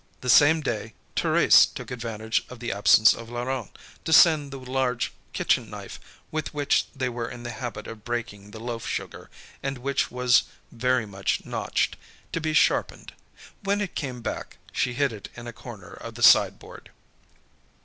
The same day, Thérèse took advantage of the absence of Laurent, to send the large kitchen knife, with which they were in the habit of breaking the loaf sugar, and which was very much notched, to be sharpened. When it came back, she hid it in a corner of the sideboard.